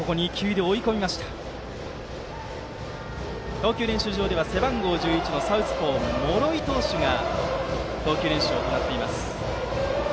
投球練習場では背番号１１のサウスポー師井投手が投球練習を行っています。